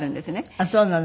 あっそうなの。